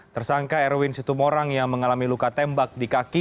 tersangka erwin situmorang yang mengalami luka tembak di kaki